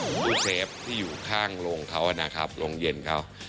ตู้เซฟที่อยู่ข้างโรงเขานะครับโรงเย็นเขา